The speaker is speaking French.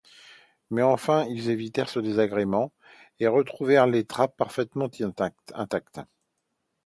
Mais enfin ils évitèrent ce désagrément, et retrouvèrent les trappes parfaitement intactes.